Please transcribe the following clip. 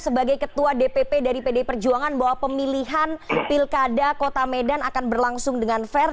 sebagai ketua dpp dari pd perjuangan bahwa pemilihan pilkada kota medan akan berlangsung dengan fair